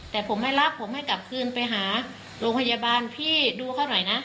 แต่ผมไม่รับผมให้กลับคืนไปหาโรงพยาบาลพี่ดูเขาหน่อยนะ